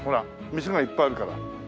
店がいっぱいあるから。